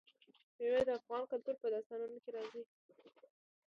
مېوې د افغان کلتور په داستانونو کې راځي.